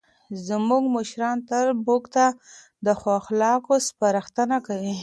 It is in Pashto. زموږ مشران تل موږ ته د ښو اخلاقو سپارښتنه کوي.